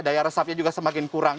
daya resapnya juga semakin kurang